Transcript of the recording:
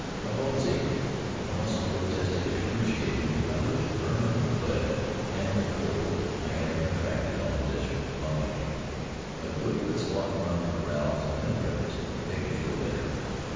My bones ached, my muscles protested excruciatingly, my lips burned and bled, and the cold I had contracted on the desert clung to me. A good brisk walk round the corrals, and then breakfast, made me feel better.